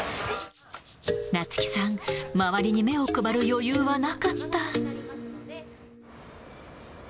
奈月さん、周りに目を配る余裕はなかった。